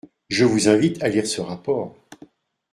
Je vous invite à lire ce rapport.